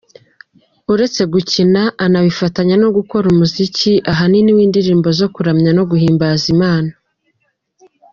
Uretse gukina anabifatanya no gukora umuziki ahanini w’indirimbo zo kuramya no guhimbaza Imana.